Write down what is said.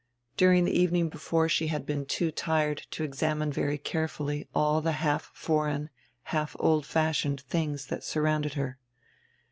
During the evening before she had been too tired to exam ine very carefully all the half foreign, half old fashioned tilings that surrounded her.